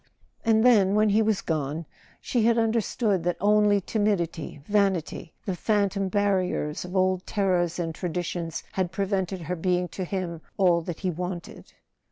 And then, when he was gone, she had understood that only timidity, vanity, the phantom barriers of old terrors and tradi¬ tions, had prevented her being to him all that he wanted.